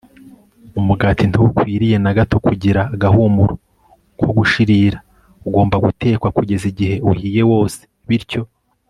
umugati ntukwiriye na gato kugira agahumuro ko gushirira. ugomba gutekwa kugeza igihe uhiye wose. bityo